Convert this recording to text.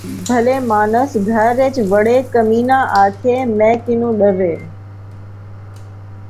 بھلے مانس گھر ءِچ وڑے کمینہ آکھے میں کنوں ݙرے